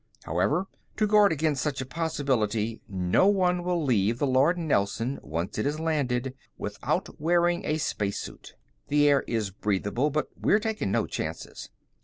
"However, to guard against such a possibility, no one will leave the Lord Nelson, once it has landed, without wearing a spacesuit. The air is breathable, but we're taking no chances.